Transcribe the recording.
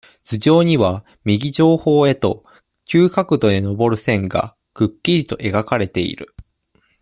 頭上には、右上方へと、急角度でのぼる線が、くっきりと描かれている。